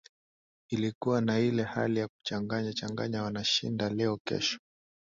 ilikuwa na ile hali ya kuchanganya changanya wanashinda leo kesho